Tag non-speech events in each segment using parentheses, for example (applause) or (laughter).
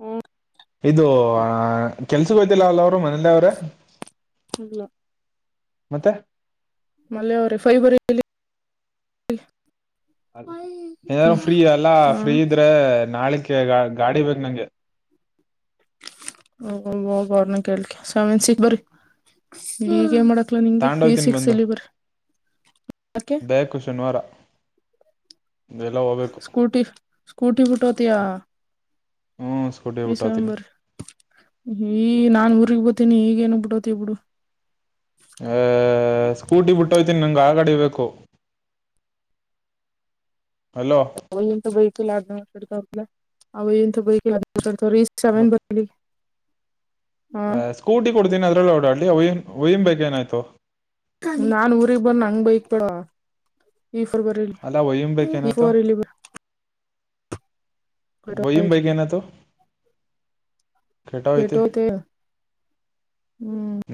ಹ್ಮ ಇದು ಕೆಲ್ಸಕ್ಕೆ ಹೋಯ್ತಿಲ್ಲ ಅಲ್ಲ ಅವರು ಮನಲ್ಲ ಅವ್ರ ಇಲ್ಲ ಮತ್ತೆ ಮಲ್ಲೆಯ ಅವ್ರೆ ಫೈಬರ್ ಅ ಏನಾರೂ ಫ್ರೀ ಅಲ್ಲಾ ಹ ಫ್ರೀ ಇದ್ರೆ ನಾಳ ಗಾಡಿ ಬೇಕು ನಂಗೆ ಬಬ ಅವರ್ನ ಕೇಳ್ಕ್ಕೆ ಸಾಮನ್ಸಗ್ ಬರಿ ಈಗೇ ಮಾಡ ನಿಂಗೆ ಈ ತಗೊಂಡೋಯ್ತೀನಿ ಬಂದು ಸಿಕ್ಸ್ಲ್ಲಿ ಬರ ಬೇಕು ಶನಿವಾರ ಎಲ್ಲ ಹೋಗ್ಬೇಕು ಸ್ಕೂಟಿ ಸ್ಕೂಟಿ ಪುಟೋತಿಯಾ ಹ್ಮ್ ಸ್ಕೂಟಿ ಬಿಟ್ಟೋತೀನಿ ಿಸೆಂಬರ್ ಈ ನಾನ್ ಊರ್ಗ್ ಹತೀನಿ ಈಗೇನ್ ಬಿಡೋತಿ ಬಿಡು ಆಹ ಸ್ಕೂಟಿ ಬಿಟ್ಟ ಹೋಗ್ತೀನಿ ನಂಗಗೆ ಆಗ ನಡಿಬೇಕು ಅವಂತ ಬೈಕ ಆ ಅವಂತ ಬೈಕ ತ ಇಸ್ ಸಾವ ಬಲಿ ಹ ಸ್ಕೂಟಿ ಕೊಡ್ತಿನನ ಅದ್ರಲ್ಲಲ್ಲಿ ಓಡಾಡ್ಲಿ ಒಯಿ ಒಯಿನ್ ಬೈಕ್ ಏನಾಯ್ತು ನಾನ್ ಊರಿಗ್ ಬಂದ ಹಂಗ ಬೈಕ್ಪಡ ಈ ಫೆ್ರವರಿಲಿ ಅಲ್ಲ ಒಯ್ಯನ್ ಬೈಕ್ ಈ ಏನಾಯ್ತು ಫ್ರವರಿಲಿ ಬಯಮ ಬೈಕನ ತ ಕೆಟುತ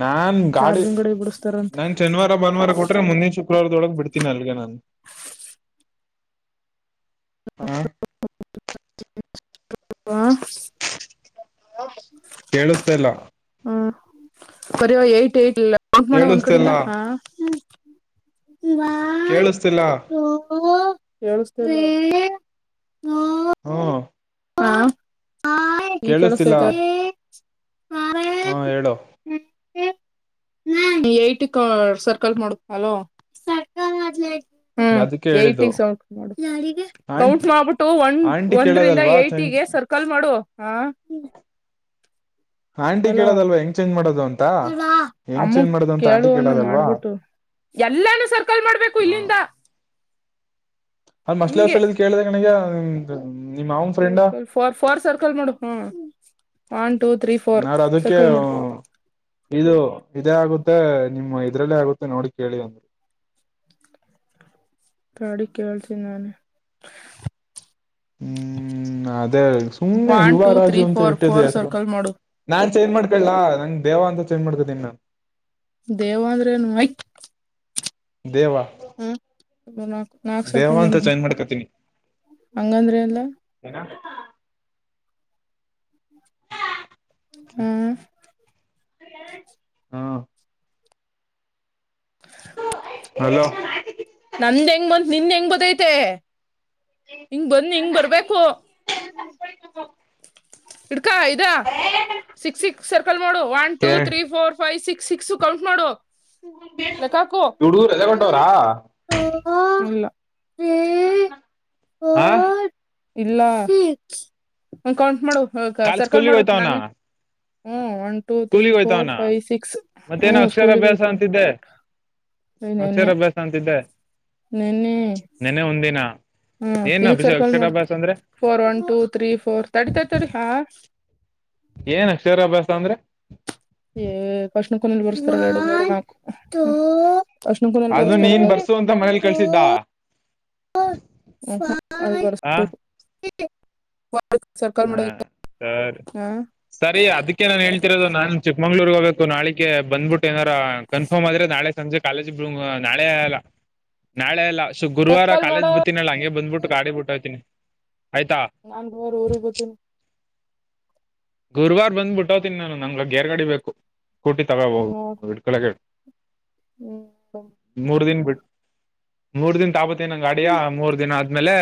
ನಾನ್ ಗಾಡಿ ಕಡೆ ಬಿಡಿಸತಾರಂತೆ ನಾನ್ ಶನಿವಾರ ಭಾನುವಾರ ಕೊಟ್ರೆ ಮುಂದಿನು ಕುಡಗ್ ಬಿಡ್ತೀಿ ಅಲ್ಲಿಗೆಾನು ಹ ಹ ಕೇಳಿಸ್ತಿಲ್ಲ ಹ್ಮ ಬರಿವಂ ಮಾಡ ಒಂದ್ ಕೇಳಿಸ್ತಿಲ್ಲ ಕಡಿಂದ ಹಾ ಒನ್ ಕೇಳಿಸ್ತಿಲ್ಲ ಹ ಹ್ಮ ಹ್ಮ ಹಾ ಹ ಈ ಕೆಳಸ ಹಾರ ಹಾ ಹೇಳು ಹ್ಮ ಸರ್ಕಲ್ ಮಾಡ ಹ್ಮ್ ಅದಕ್ಕೆ ಹೇಳಿದ್ದು ಏಿೌಂ ಆಂ ಕೌಂಟ್ ಮಾಡ್ಬಿಟ್ಟು ಒ ಆಂಟಿ ಒಂದ್ರಂದ ಕೇಳೋದಲ್ವಾ ಚೇಂಜ್ ಇಟಿಗೆ ಸರ್ಕಲ್ ಮಾಡುವ ಹ ಆಂಟಿ ಅಲೋ ಕೇಳೋದಲ್ವಾ ಹೆಂಗ್ ಚೇಂಜ್ ಮಾಡೋದು ಅಂತ ಹೆಂಗ್ ಅಮ್ಮು ಚೇಂಜ್ ಮಾಡೋದು ಅಂತ ಆಂಟಿ ಕೇಳುವ ಅಂದು ಕೇಳೋದಲ್ವಾ ಮಾಡ್ಬಿಟ್ಟು ಎಲ್ಲಾನೂ ಸರ್ಕಲ್ ಮಾಡ್ಬೇಕು ಇಲ್ಲಿಂದ ಅಲ್ ಮಸಳ ಹಿಂಗೆ ಹಸಳ ಕೇಳ್ದ ಕನಗ ಸರ್ಕಲ್ ಫಾರ್ ಫರ್ ಸರ್ಕಲ್ ಮಾಡೋಡ ಹ ಒನ್ ಟು ನಾರ ಅದಕ್ಕೆ ಇದು ಇದೇ ಆಗುತ್ತೆ ನಿಮ್ಮ ಇದ್ರಲ್ಲೇ ಆಗುತ್ತೆ ನೋಡಿ ಕೇಳಿ ಅಂದರು ತಾಡಿ ಕಳ್ಸ ನಾನ ಹ್ಮ್ ಅದೇ ಸುಮ್ನೆ ಒನ್ ಯುವ ಟೂ ತ್ರೀ ರಾಜು ಅಂತ ಫೋರ್ ಇಟ್ಟಿದ್ ಫೋರ್ ಹತ್ರ ಸರ್ಕಲ್ ಮಾಡು ನಾ ಚೇಂಜ್ ಮಾಡ್ಕೊಳ್ಳಲ್ಲಾ ನಂಗ್ ದೇವ ಅಂತ ಚೇಂಜ್ ಮಾಡ್ಕದೀ ನಾನನ್ ದೇವಂದ್ರೆನುೈ ದೇವಾ ನಾಕ ನಾಕ ಸರ್ಕ ಮೇಡಮ ಮಾಡ್ಕತೀನಿ ಹಂಗಂದ್ರೆ ಎಲ್ಲ ಏನ ಹ್ಮ್ ಹಲೋ ನಂದ ಹೆಂಗ ಬಂದ ನಿನ್ ಹೆಂಗ್ ಬದೈತೆ ಹಿಂಗ ಬನ್ನಿ ಹಿಂಗ ಬರ್ಬೇಕು ಇಡ್ಕಾ ಇದಾ six six circle no one two ಕೆ three four five six six count ಮಾಡೋ ಹುಡುಗರು ರಜೆ ಕೊಟ್ಟವ್ರಾ ಲೆಕ್ಕಾಕುಲ್ಲ ಆ ಇಲ್ಲ ಕೌಂಟ್ ಮಾಡು ಕಾಲ್ ಸರ್ಕಲ್ ಸ್ಕೂಲಿಗೆ ಮಾಡು ಹೋಯ್ತಾವನ ನನ್ನ ಹ್ಮ ಒನ್ ಟೂ ತ್ರೀ ಸ್ಕೂಲಿಗೆ ಫೋರ್ ಹೋಯ್ತಾವನ ಫೈವ್ ಸಿಕ್ಸ್ ಹ್ಮ್ ಸ್ಕೂಲ ಹಯ್ತ ಹಸಿರ್ ಅಭ್ಯಾಸ ಅಂತಿದ್ದೆ ನನ್ನ ನೆನ್ನೆ ಒಂದಿನ ಹ್ಮ ಏನ್ ಇದಕ್ ಅಭಿಷೇಕ್ ಸರ್ಕಲ್ ಮಾಡುದು ಅಕ್ಷರಾಭ್ಯಾಸ ಅಂದ್ರೆ four one two three four ತಡಿ ತರ್ ತಾರೆ ಹಾ ಏನ್ ಅಕ್ಷರಾಭ್ಯಾಸ ಅಂದ್ರೆ ಏ ಕಷ್ಣಕ್ಕೂನಲ್ಲಿ ಬರ್ಸ್ತಾರ ಕಷ್ಣ ಕುೂಲಲ್ ಅದು ಪುರಸ್ಕಾರ ನೀನ್ ಬರ್ಸು ಅಂತ ಮನೇಲಿ ಹ ಕಳ್ಸಿದ್ದ ಆ ಹ ಹ ಹಾ ಸರಿ ಹಾ ಸರಿ ಅದಕ್ಕೆ ನಾನ್ು ಹೇಳ್ತಿರೋದು ನಾನ್ ಚಿಕ್ಕಮಂಗ್ಳೂರ್ ಹೋಗ ನಾಳೆ ಬಂದ್ಬಿಟ್ಟು ಏನಾರ ಕನ್ಫರ್ಮ್ ಆದ್ರೆ ನಾಳೆ ಸಂಜೆ ಕಾಲೇಜ್ ನಾಳೆಲ್ಲ ನಾಳೆ ಎಲ್ಲ ಸು ಗುರುವಾರ ಸರ್ಕಲ್ ಕಾಲೇಜ್ ಮಾಡು ಬತಿನನ ಅಲ್ಲ ಹಂಗೆ ಬಂದ್ಬಿಟ್ಟು ಗಾಡಿ ಬಿಟ್ಟು ಹ್ತೀನಿ ನಾವಾರ ಊರಿಗೆಿಗೆ ಬತೀನಿ ಗುರುವಾರ ಬಂದ್ಬ ಬಿಟ್ಟತನಿ ನಾನು ನಂಗಗೆ ಗೇರ್ ಗಾಡಿ ಬೇಕು ಕೂಟಿ ತಗೋಬ ನೋಡ್ ಹಿಡ್ಕಳಗೆ ಹ್ಮ್ ಹ ಮೂರು ದಿನ ತಾಪತ್ತ ದಿನ ಗಾಡಿಯಾ ಮೂರ್ ದಿನ ಆದ್ಮೇಲೆ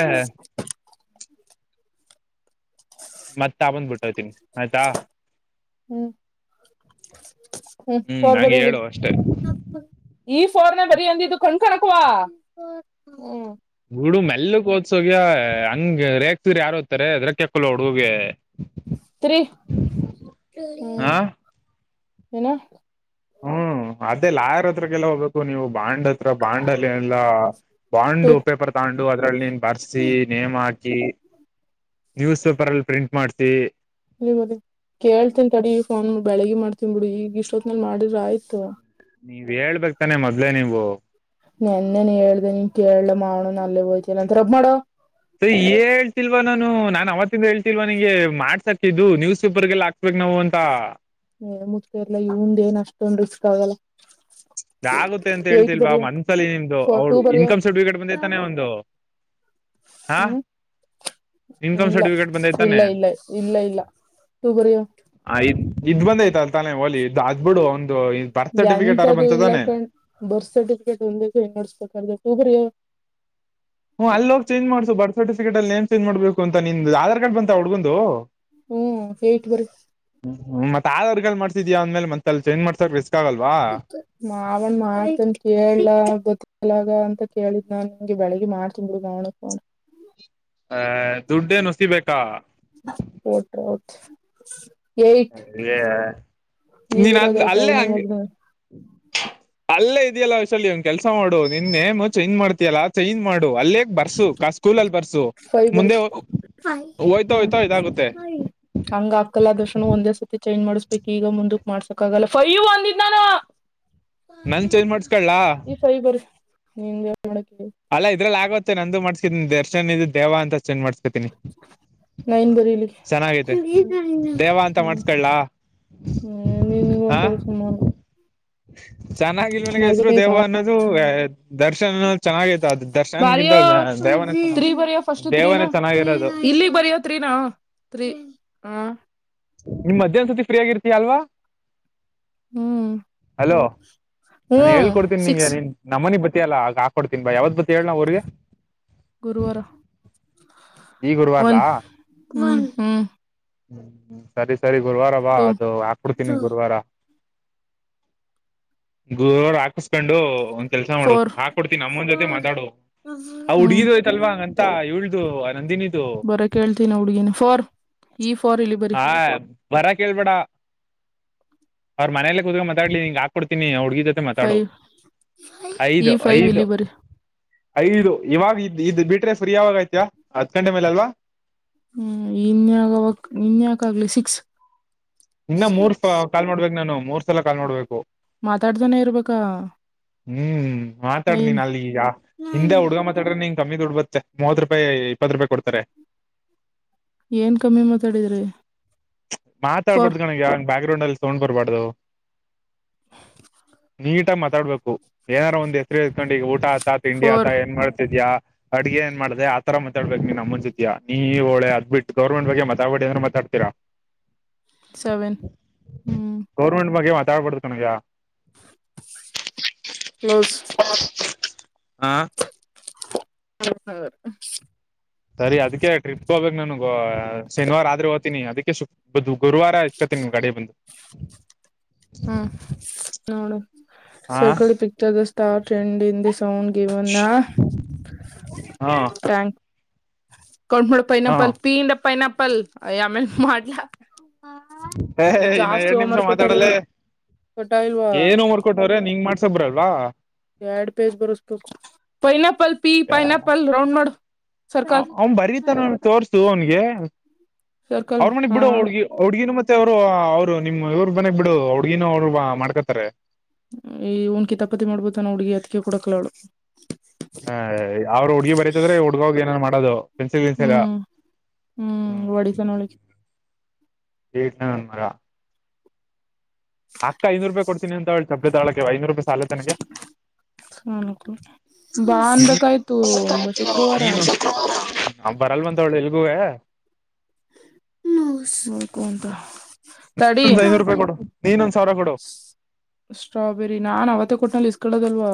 ಮತ್ತ ತಾಬನ್ ಬುಟ್ಟತಿ ಮಾಿತಾ ಹ್ಮ್ ಹ್ಮ್ ಫೋರ್ ನಂಗೆ ಬರೀ ಇಲ್ಲಿ ಹೇಳುವ ಅಷ್ಟೇ ಈ ಫೋರ್ನ ಬರಿೀ ಅಂದಿದ್ದು ಕಣ್ಕಣಕ್ವಾ ಹ್ಮ್ ಹುಡು ಮೆಲ್ಲಗ್ ಓದಸೋಗ ಹಂಗ ರೇಗ್ತರ್ ಯಾರ ಹದ್ತಾರೆ ಅದ್ರಕ್ಕೆಕ್ಕಲ್ಲ ಹುಡುಗಗೆ ಸ್ೀ ಹ್ಮ ಹಾ ಏನ ಅ ಲ ಆರ್ ಹತ್ರಕ್ಕೆಲ್ಲ ಹೋಗ್ಬೇಕು ನೀವು ಬಾಂಡ್ ಹತ್ರ ಬಾಂಡ್ ಅಲ್ಲಿ ಎಲ್ಲ ಬಾಂಡ್ ಟು ಪೇಪರ್ ತಗೊಂಡು ಅದ್ರಲ್ಲಿ ನೀನ್ ಬರ್ಸಿ ನೇಮ್ ಹಾಕಿ ನ್ಯೂಸ್ ಪೇಪರ್ ಅಲ್ಲಿ ಪ್ರಿಂಟ್ ಮಾಡ್ಸಿ ಹ ಮ ಕೇಳ್ತನ್ ತಡಿ ಈ ಫೋನ್ ಬೆಳಗ್ ಮಾಡ್ತೀನ್ಿ ಬಿಡು ಈಗ ಇಷ್ಟೊತ್ನಲ್ ಮಾಡಿದ್ರ ಆಯ್ತು ನೀವ್ ಹೇಳ್ಬೇಕಕ್ತಾನೆ ಮೊದ್ಲೆೇ ನೀವು ನೆನ್ನೆನ್ ಹೇಳ್ದ ನೀನ್ ಕೇಳಲ ಮಾಡೋ ಅಲ್ಲೇ ಹೋ್ತಲ್ಲ ಅಂತಬ್ಬ ಮಾಡುವ ಸ ಹೇಳ್ತಿಲ್ವಾ ನಾನು ನಾನ್ ಅವತ್ತಿಂದ ಹೇಳ್ತಿಲ್ವ ನಂಗೆ ಮಾಡ್ಸಕ್ ಇದು ನ್ಯೂಸ್ ಪೇಪರ್ ಲ್ಲ ಹಾಕ್ಸ್ಬೇಕು ನಾವು ಅಂತ ಮುಗ್ತಾ ಇಲಾ ಇಂದ್ ಏನ್ ಅಷ್ಟೊಂದು್ ರಿಸ್ಕ್ ಆಗಲ್ಲ ಗುತ್ತೆ ಅಂತ ಏಟ್ ಹೇಳ್ತಿಲ್ವಾ ಬರಿಯೋ ಮನ್ಸಲ್ಲಿ ನಿಮ್ದು ಫೋರ್ ಅವ್ಳ ಟೂ ಬರಿಯೋ ಇನ್ಕಮ್ ಸರ್ಟಿಫಿಕೇಟ್ ಬಂದೈತಾನೆ ಒಂದು ಹಾ ಹ್ಮ್ ಇನ್ಕಮ್ ಇಲ್ಲ ಸರ್ಟಿಫಿಕೇಟ್ ಬಂದಐ್ತಾನೆ ಇಲ್ಲ ಇಲ್ಲ ಇಲ್ಲ ಇಲ್ಲ ಟೂ ಬರಿಯೋ ಆಯ ಇದ್ ಬಂದ್ೈಐತ ಅಲ್ ತಾನೆ ಹೋಲಿ ಇದದು ಅ್ ಬಿಡು ಒಂದು ಬರ್ತ್ ಸರ್ಟಿಫಿಕೇಟ್ ಅರ ಬ ಇಲ್ಲಾ ಕ್ ಬರ್ತ್ ಸರ್ಟಿಫಿಕೇಟ್ ಒಂದೇ ನಡ್ಸ್ಬೇಕ್ರ ಸೂ್ರ ಹ್ಮ್ ಅಲ್ಲಿ ಹೋಗ ಚೇಜ್ ಮಾಡ್ಸು ಬರ್ ಸರ್ಿಫಿಕೇಟ್ ಅಲ್ಲಿ ೇನ್ ಚೇಂ್ಬೇಕ ಅಂತ ನಿಂದು ಆಧಾರ್ಡ್ ಬಂತ ಹುಡ್ಗೊಂಡಂದು ಹ್ಮ್ ಸೇಟ್ ಬರ ಹ್ಮ್ ಮತ್ ಆದವರ್ಗ ಮಾಡತಿದೀಾ ಅಂದ ಮೇಲೆ ಮತ್ತ ಅ ಚೇಜ್ ಮಾಡಸರ್ ಬ ಮಾವನ್ ಮಾಡ್ತನ್ ಕೇಳಲ ಗೊತ್ತಿಲ್ಲ ಅಂತ ಕೇಳಿದ್ ನನ್ಂಗೆ ಬೆಳಗ್ ಮಾಡ್ತನ್ ಬಿಡುನ ಅಹ ದುಡ್ಡೇ ನುಸಿಬೇಕಾ (inaudible) ನೀವ್ ನೀನ್ ಇರೋದ ಅದು ಯಾಕ ಅಲ್ಲೇ ಅವನ ಹಂಗಗೆ ಮಗ್ನ ಅಲ್ಲೇ ಇದೆಯಲ್ಲಶಲ್ಯ ಒನ್ ಕೆಲ್ಸ ಮಾಡು ನಿನ್ನೇಮ ಚೈಂಜ್ ಮಾಡ್ತಿಯಲ್ಲಾ ಚೈಂಜ್ ಮಾಡು ಅಲ್ಲೇಗ್ ಬರ್ಸು ಸ್ಕೂಲ ಅಲ್ಲಿ ಬರ್ಸು ಫೈ ಬರಿ ಮುಂದೆ ಹೋಯ್ತಾ ಹ್ಮ್ ಹೋಯ್ತಾ ಇದಯಾಗುತ್ತೆ ಹಂಗ ಹಾಕಲ್ಲ ದರ್ಶಣ ಒಂದ್ ಚೈಂ್ ಮಾಡಿಸ್ಬೇಕಕ್ ಈಗ ಮುಂದಕ್ ಮಾಡ್ಸಕ್ ಆಗಲ್ಲ ಫೈ್ ಒಂದ್ಾನ ನನ್ ಚೇಂಜ್ ಮಾಡ್ಸ್ಕಲ್ಲ ನಿಂದು ಅಲ್ಲ ಇದ್ರಲ್ಲಿ ಆಗತ್ತೆ ನಂದು ಮಾಡ್ಸ್ಕತೀನಿ ದರ್ಶನ್ ಇದು ದೇವ ಅಂತ ಚೆಂದ್ ಮಾಡ್ಸ್ಕತೀನಿ ನಾನ್ ಬರಿಲಿ ಚೆನ್ನಾಗೈತೆ ದೇವ ಅಂತ ಹ್ಮ ಮಾಡ್ಸ್ಕೊಳ್ಳಾ ನೀ ನೀ ಹಾ ಒಂಂತರ ಸುಮಾನ ಚೆನ್ನಾಗಿಲ್ ಮನಗೆ ಹೆಸರು ದೇವ ಅನ್ನೋದು ದರ್ಶನ್ ಅನ್ನೋದು ಚೆನ್ನಾಗೈತ ಅದು ಬಾರಯ ದರ್ಶನ್ಗಿಂತ ದೇವನೇ ಚೆನ್ನಾಗಿ ತ್ರೀ ಬರಿಯ ಫಸ್ಟ್ ತ್ರೀನ ದೇವನೇ ಚೆನ್ನಾಗಿರೋದು ಇಲ್ಲಿ ಬರಿಯ ತ್ರೀ ತ್ರತ್ರೀ ಹ ನಿಮ್ ಮಧ್ಯಾಹ್ನ್ ಸತಿ ಫ್ರೀ ಆಗಿರ್ತೀಯ ಅಲ್ವಾ ಹ್ಮ್ ಹಲೋ ನಾನು ಹ್ಮ್ ಹೇಳ್ಕೊಡ್ತೀನಿ ನಿಗೆ ಸಿಕ್ಸ್ ನೀನ್ ನಮ್ಮನಿ ಬಟ್ಟಿ ಅಲ್ಲ ಆಗ ಹಾಕೊಡ್ತೀನ್ ಬಾ ಯಾವತ್ ಬತ್ ಹೇಳಳ್ನ ಅವಊ್ರಿಗೆ ಗುರುವರುವಾರ ಈ ಒನ್ ಗುರುವಾರ್ಲಾ ಹ್ಮ್ ಹ್ಮ್ ಸರಿ ಸರಿ ಗುರುವಾರ ಬಾ ಟೂ ಅದು ಹಾಕ್ಬಡ್ತೀನಿ ಗುರುವಾರ ಗುರುವರು ಹಾಕಿಸಕಂಡು ಕೆಲ್ಸ ಮಾಡು ಫೋರ್ ಹಾಕ ಕೊಡ್ತೀನಿ ನಮ್ಮಂದ್ ಜೊತೆ ಮಾತಾಡ ಅವ್ ಹ್ಮ್ ಹುಡುಗಿದ್ೋಯ್ತಲ್ವಾ ತ್ತಾ ಇಳ್ದು ಆ ನಂದಿನಿ ಬರ ಕೇಳ್ತೀನಿ ಹುಡ್ಗೀನ ಫಾರ್ ಈ ಫಾರ್ ಇಲ್ಲಿ ಬರಿೀ ಬರ ಕೇಳ್ಬೇಡ ಅವ್ರ ಮನೇಲ್ಲ ಕೂತ್ಕ ಮಾತಾಡ್ಲಿಿಂಗ ಹಾಕ್ಕೊಡ್ತೀನಿ ಹುಡ್ಗಿ ಜೊತೆ ಮಾತಾಡುವ ಫೈವ್ ಈ ಐದು ಫೈವ್ ಐದು ಇಲ್ಲಿ ಬರಿ ಐದು ಇವಾಗ ಇದ್ ಇದ್ ಬಿಟ್ರೆ ಫ್ರೀ ಆವಾಗ ಆಯ್ತಿಯ ಹತ್ ಗಂಟೆ ಮೇಲೆ ಅಲ್ವಾ ಹ್ಮ್ ಇನ್ಯಾಗವಕ್ ಇನ್ಯಾಕ ಆಗ್ಲಿ ಸಿಕ್ಸ್ ಇನ್ನ ಮೂರ್ ಕಾಲ್ ಮಾಡ್ಬೇಕುಕ್ ನಾನು ಮೂರ್ ಸಲ ಕಾಲ್ ಮಾಡ್ಬೇಕು ಮಾತಾಡ್ದನೇ ಇರ್ಬೇಕಾ ಹ್ಮ್ ಮಾತಾಡ್ ನೈನ್ ನೀನ್ ಅಲ್ಲಿಗ ಹಿಂದೆ ಹುಡ್ಗ ಮಾತಾಡ್ರ ನೀನ್ ಕಮ್ಮಿ ದುಡ್ಬತ್ತೆ ಮೂವತ್ ರೂಪಾಯಿ ಇಪ್ಪತ್ತು ರೂಪಾಯಿ ಕೊಡ್ತಾರೆ ಏನ್ ಕಮ್ಮಿ ಮಾತಾಡಿದ್ರಿ ಫೋರ್ ಮಾತಾಡ್ಬಾರ್ದು ಕನಗೆ ಯಾವಂಗ ಬ್ಯಾಕ್ ಗ್ರೌಂಡ್ ಅಲ್ಲಿ ತೋೊಂಡ್ ಬರ್ಬಾರ್ದವು ನೀಟ್ ಆ ಮಾತಾಡ್ಬೇಕು ಏನಾದಾರ ಒಂದ ಹೆಸರು ಇತ್ಕೊಂಡು ಈ ಊಟ ಆತಾ ತಿಂಡಿ ಆತಾ ಫೋರ್ ಏನ್ ಮಾಡ್ತಿದ್ಯಾಾ ಅಡ್ಗೆ ನ್ ಮಾಡ್ದ ಆತರತಾಡ್ಬೇಕಕ್ ನೀ ನಮ್ಮನ್ ಜೊತತ್ಯ ನೀ ಹಳೆ ಅದ್ ಬಿಟ್ಟು ಗೌರ್ಮೆಂಟ್ಗ್ ಮಾತಾಡಡಿ ಅ್ರೆ ಮಾತಾ ಹತರಾ ಸೆವೆನ್ ಹ್ಮ್ ಸೇಪಡ್ತಣಯಾ ಪ್ಲೋಸ್ ಹಾ ಹೌ ಹೌದು ಸರಿ ಅದಕ ಟ್ರಿಪ್ ಹೋಗಬೇಕು ನನ್ಗೆ ವ ಶನಿವಾರ ಆದ್ರೆ ಹೋಗ್ತೀನಿ ಅದಕ್ಕೆ ಬ ಗುರುವಾರ ಇಸ್ಕತಿನಿ ಗಾಡಿ ಬಂದು. ಹ್ಮ್ ನೋಡು. ಹಾ ಸರ್ಕಳಿ picture star trend in the sound ಗಿವನ್ನಾ ಹಾ. ಕೌಂಟ್ ಮಾಡಪ್ಪ ಹಾ ಪೈನಾಪಲ್ ಪಿ ಇಂದ ಪೈನಾಪಲ್ ಅಯ್ಯ ಆಮೇಲ್ ಮಾಡ್ಲ. ಹೇಯ್ ಇನ್ನ ಎರಡ್ ನಿಮಿಷ ಮಾತಾಡಲ್ಲೇ ಕೊಟ್ಟಾರಲ್ಲಿ ಕೊಟ್ಟ ಇಲ್ವಾ ಏನು ಮರ್ಕೊಟ್ಟವ್ರೆ ನಿಂಗ ಮಾಡ್ಸ ಎರಡ್ ಪೇಜ್ ಬರಸ್ಕೊಟ್ ಪೈನಾಪಲ್ ಪಿ ಪೈನಾಪಲ್ ರೌಂಡ್ ಮಾ ಆ ಅವ್ನ್ ಬರೀತಾನ್ ಅವ್ನ್ ತೋರ್ಸು ಅವನ್ಗೆ. ಸರ್ಕಲ್ ಅವ್ರ ಮನೆಗ್ ಹಾ ಬಿಡು ಹುಡ್ಗಿ ಹುಡ್ಗಿನ ಮ ತ್ತೆ ಅವ್ರು ಅವ್ರು ನಿಮ್ ಇವ್ರರು ಮನೆಗ್ ಬಿಡು ಆ ಹುಡ್ಗಿನು ಅವ್ರು ಮಾಡ್ಕೊತಾರೆ. ಈ ಇವ್ನ್ ಕಿತಾಪತಿ ಮಾಡ್ಕೋತಾನೆ ಹುಡ್ಗಿ ಅದ್ಕೆ ಕೊಡಕ್ಕಿಲ್ಲ ಅವ್ಳು. ಹ ಅವ್ರ್ ಹುಡ್ಗಿ ಬರಿತಿದ್ರೆ ಈ ಹುಡ್ಗ ಹೋಗ್ ಏನೇನೋ ಮಾಡೋದು. ಪೆನ್ಸಿಲ್ ಗಿನ್ಸಿಲ್ ಹ್ಮ್ ಹ್ಮ್. ಹೊಡಿತಾನ ಅವಳಿಗೆ ಕೀಟ್ಲೆ ನಾನ್ ಮಗ. ಅಕ್ಕ ಐನೂರುಪಾಯಿ ಕೊಡ್ತೀನಿ ಅಂತವ್ಳೆ ಚಪ್ಪಲಿ ತಗೊಳ್ಳೋಕೆ ಐದನೂರ್ ರುಪಾಯ್ ಸಾಲತ್ತಾ ನಿಂಗೆ. ಹ್ಮ್ ಹ್ಮ್. ಬಾ ಅನ್ಬೇಕಾಗಿತ್ತು ಶುಕ್ರವಾರ. ಗುರುವೇ ನೋ (unintelligible) ಒಂದ್ ಐನೂರು ರೂಪಾಯಿ ಕೊಡು ನೀನೊಂದ್ ಸಾವಿರ ಕೊಡು ಸ್ಟ್ರಾಬೆರಿ ನಾನ್ ಅವತ್ತೇ ಕೊಟ್ನಲ್ಲ ಇಸ್ಕೊಳ್ಳೋದಲ್ವಾ.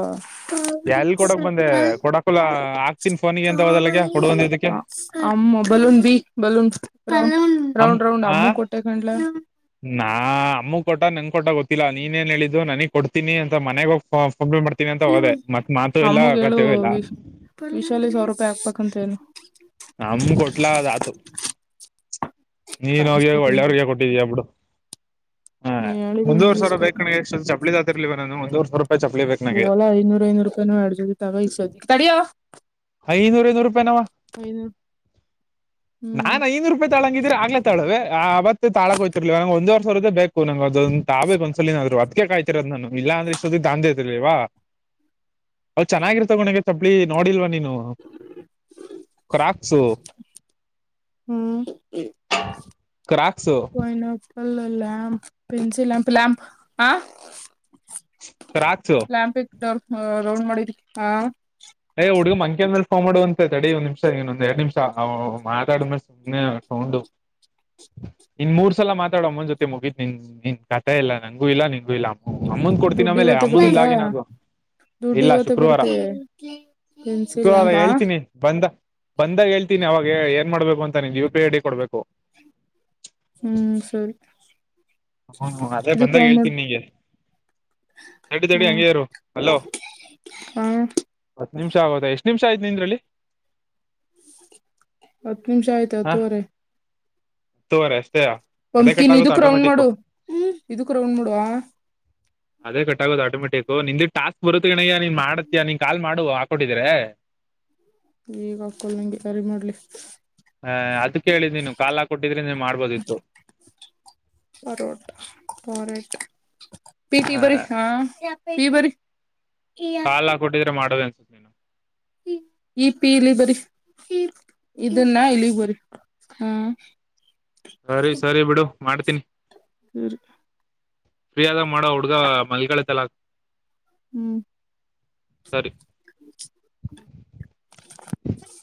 ಎಲ್ ಕೊಡಕ್ ಬಂದೆ ಹಾ ಕೊಡಕಲ್ಲ ಹಾಕ್ತಿನ್ ಫೋನಿಗೆ ಅಂತ ಹೋದಲ್ಲಗೆ ಕೊಡು ಅಂದಿದ್ದಕ್ಕೆ ಹಾ. ಅಮ್ಮ ಬಲೂನ್ ಬಿ ಬಲೂನ್ ಅಮ್ ರೌಂಡ್ ರೌಂಡ್ ಆ ಅಮ್ಮಂಗ್ ಕೊಟ್ಟೆ ಕಣ್ಲಾ. ನಾ ಅಮ್ಮಗ್ ಕೊಟ್ಟ ನಂಗ್ ಕೊಟ್ಟ ಗೊತ್ತಿಲ್ಲ ನೀನೇನ್ ಹೇಳಿದ್ದು ನನಗ್ ಕೊಡ್ತೀನಿ ಅಂತ ಮನೆಗ ಹೋಗ್ (unintelligible) ಮಾಡ್ತೀನಿ ಅಂತ ಹೋದೆ ಬಲೂನ್ ಮತ್ ಮಾತು ಇಲ್ಲ ಅಮ್ಮಗ್ ಹೇಳು ಕಥೆಯೂ ಇಲ್ಲ. ವಿ- ವಿಶಾಲಿ ಸಾವಿರ ರೂಪಾಯಿ ಹಾಕ್ಬೇಕಂತ ಏನು ನಮ್ ಕೊಟ್ಲಾ ಅದ್ ಆತು ನೀನ್ ಹೋಗಿ ಅನಿಸ್ಕೋತೀನಿ ಬಿಡು ಒಳ್ಳೆಯವ್ರಿಗೆ ಕೊಟ್ಟಿದೀಯ ಬುಡು. ಹಾ ನೀ ಹೇಳಿದೀನಿ ಒಂದೂವರ್ ಬಿಡು ಸಾವಿರ ಬೇಕ್ ಇಸ್ಕೋತೀನಿ ಕಣೆ ಚಪ್ಲಿ ತಗೊತಿರಲಿಲ್ವಾ ನಾನು ಒಂದೂವರ್ ಸಾವ್ರ ಓಲಾ ಐನೂರು ಐನೂರು ರೂಪಾಯಿನೂ (unintelligible) ದಿನದ ತಾವ ತಡಿಯೋ. ಐನೂರ್ ಐನೂರ್ ರೂಪಾಯಿ ನಾವ. ಏನು. ನಾನ್ ಐನೂರು ರೂಪಾಯಿ ತಾಳಂಗಿದ್ರೆ ಆಗ್ಲೇ ತಾಳುವೆ ಆ ಆವತ್ತೆ ತಾಳಗೋಯ್ತಿರ್ಲಿಲ್ಲ ಒಂದ್ ವರ್ ಸಾವ್ರದ್ದೆ ಬೇಕು ನಂಗ್ ಅದ್ ತಾಬೇಕು ಒಂದಸಲಿನನಾದ್ರು ಅದಕ್ಕೆ ಕಾಯ್ತಿರೋದ್ ನಾನು ಇಲ್ಲ ಅಂದ್ರೆ ಇಷ್ಟೊತ್ತಿಗೆ ತಗೊಂತಿದ್ದಿರ್ಲಿಲ್ವಾ. ಅವ್ ಚೆನ್ನಾಗಿರ್ತವೆ ಕಣೆ ಚಪ್ಲಿ ನೋಡಿಲ್ವಾ ನೀನು. ಕ್ರಾಕ್ಸು ಹ್ಮ್. ಕ್ರಾಕ್ಸು. ಅಲ್ಲಲ್ಲ ಪೆನ್ಸಿಲ್ ಲ್ಯಾಂಪ್ ಲ್ಯಾಂಪ್ ಆ. ಕ್ರಾಕ್ಸು. (unintelligible) ರೌಂಡ್ ಮಾಡಿ ಆ. ಏ ಹುಡುಗ ಮಂ (unintelligible) ಮಾಡುವಂತೈ ತಡಿ ಒಂದ್ ನಿಮಿಷ ಇನ್ನೊಂದ ಎರಡ್ ನಿಮಿಷ ಮಾತಾಡ್ಮೇಲೆ ಸುಮ್ಮನೆ ತಗೊಂಡು ಇನ್ ಮೂರ್ ಸಲ ಮಾತಾಡ್ ಅಮ್ಮನ್ ಜೊತೆ ಮುಗೀತ್ ನಿನ್ ನಿನ್ ಕಥೆ ಇಲ್ಲ ನಂಗೂ ಇಲ್ಲ ನಿನ್ಗೂ ಇಲ್ಲ. ಅಮ್ಮಂಗ್ ಕೊಡ್ತೀನಿ ದುಡ್ಡು ಆಮೇಲೆ ಇವತ್ತೇ ಅಮ್ಮಂಗ್ ಬರುತ್ತಾ ಲಾಗಿನ್ ಆಗು ದುಡ್ಡು ಇಲ್ಲ ಇವತ್ತೇ ಶುಕ್ರವಾರ. ಬರುತ್ತೆ ಪೆನ್ಸಿಲ್ ಶುಕ್ರವಾರ ಬಾ ಹೇಳ್ತೀನಿ ಬಂದ ಬಂದಾಗ ಹೇಳ್ತಿ ನಿ ಅವಾಗ ಏನ್ ಮಾಡ್ಬೇಕು ಅಂತ ನಿಮಗೆ ಯು ಪಿ ಐ ಡಿ ಕೊಡ್ಬೇಕು. ಹ್ಮ್ ಸರಿ ಹ್ಮ್ ಹ್ಮ್ ಅದೇ ಇದಕ್ ಬಂದಾಗ ರೌಂಡ್ ಮಾಡು ಹೇಳ್ತೀನಿ ನಿಂಗೆ. ತಡಿ ತಡಿ ಹ್ಮ್ ಹಂಗೆ ಇರು ಹಲೋ. ಹಾ ನಿಮಿಷ ಆಗೋದಾ ಎಷ್ಟ್ ನಿಮಿಷ ಆಯ್ತು ನಿಂದ್ರಲ್ಲಿ. ಹತ್ ನಿಮಿಷ ಆಯ್ತ್ ಹತ್ತೂವರೆ. ತೂವರೆ ಪಂಪ್ಕಿನ್ ಇದಕ್ ರೌಂಡ್ ಮಾಡು ಇದಕ್ ರೌಂಡ್ ಮಾಡು ಆ. ಅದೇ ಕಟ್ಟಾಗೋದು ಆಟೋಮೆಟಿಕ್ ನಿಂದು ಟಾಸ್ಕ್ ಬರುತ್ತೆ ಗಣಯ್ಯ ನೀನ್ ಮಾಡತೀಯ ನೀನ್ ಕಾಲ್ ಮಾಡುವ ಹಾಕೋಟ್ಟಿದ್ರೆ (unintelligible) ಈಗ ಆಗಲ್ಲ ನಂಗೆ ಕರೆ ಮಾಡ್ಲಿ ಹ ಅದ ಕೇಳಿದೀನೀ ಕಾಲ ಹಾಕಿ ಕೊಟ್ಟಿದ್ರೆ ನೀ ಮಾಡ್ಬೋದಿತ್ತು (unintelligible) ಪಿ ಪಿ ಬರಿ ಹಾ ಪಿ ಬರಿ ಕಾಲ ಹಾಕ್ ಕೊಟ್ಟಿದ್ರೆ ಮಾಡೋದೇನ ಈ ಪಿ ಅಲ್ಲಿ ಬರಿ ಇದನ್ನ ಇಲ್ಲಿಗ್ ಬರಿ ಹೂ ಸರಿ ಸರಿ ಬಿಡು ಮಾಡ್ತೀನಿ ಸರಿ ಫ್ರೀ ಆದಾಗ ಮಾಡು ಆ ಹುಡ್ಗ ಮಲ್ಗಳತ ಅಲ್ಲಾ ಹ್ಮ್ ಸರಿ (unintelligible)